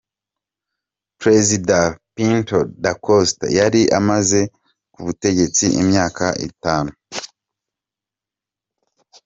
Prezida Pinto da Costa yari amaze ku butegetsi imyaka itanu.